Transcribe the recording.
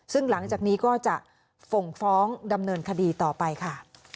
ซึ่งหลังจากนี้ก็จะส่งฟ้องดำเนินคดีต่อไปค่ะ